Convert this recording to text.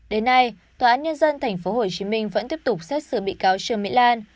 đến nay tòa án nhân dân tp hcm vẫn tiếp tục xét xử bị cáo trương mỹ lan